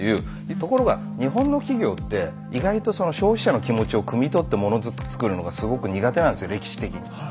ところが日本の企業って意外とその消費者の気持ちをくみ取ってもの作るのがすごく苦手なんですよ歴史的に。はいはい。